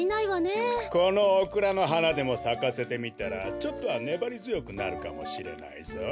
このオクラのはなでもさかせてみたらちょっとはねばりづよくなるかもしれないぞ。